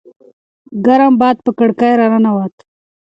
ګرم باد په کړکۍ راننووت.